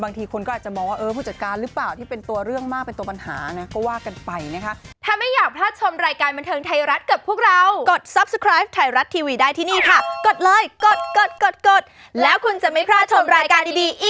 บางทีคนก็อาจจะมองว่าเออผู้จัดการหรือเปล่าที่เป็นตัวเรื่องมากเป็นตัวปัญหานะก็ว่ากันไปนะคะ